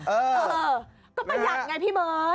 เออก็ประหยัดไงพี่เบิร์ต